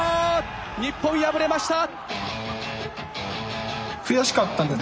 日本、敗れました。